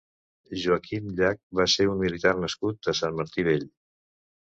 Joaquín Llach va ser un militar nascut a Sant Martí Vell.